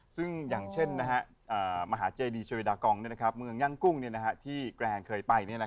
ซึ่งอย่างเช่นมหาเจดีเชเวดากองเมืองย่างกุ้งที่แกรนเคยไป